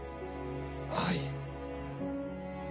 はい。